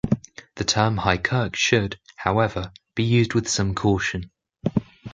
The term High Kirk should, however, be used with some caution.